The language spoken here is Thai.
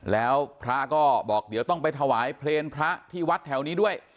แล้วพระก็บอกเดี๋ยวต้องไปถวายเพลงพระที่วัดแถวนี้ด้วย